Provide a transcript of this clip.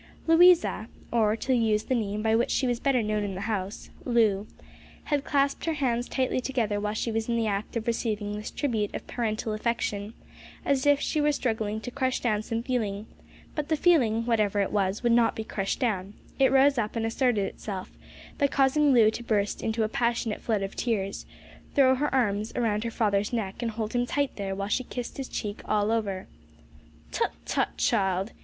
Louisa, or, to use the name by which she was better known in the house, Loo, had clasped her hands tightly together while she was in the act of receiving this tribute of parental affection, as if she were struggling to crush down some feeling, but the feeling, whatever it was, would not be crushed down; it rose up and asserted itself by causing Loo to burst into a passionate flood of tears, throw her arms round her father's neck, and hold him tight there while she kissed his cheek all over. "Tut, tut, child!"